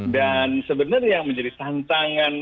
dan sebenarnya yang menjadi tantangan